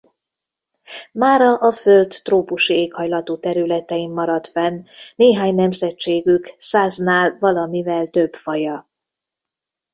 Mára a Föld trópusi éghajlatú területein maradt fenn néhány nemzetségük száznál valamivel több faja.